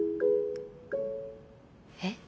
えっ？